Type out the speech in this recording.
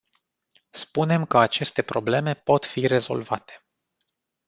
Spunem că aceste probleme pot fi rezolvate.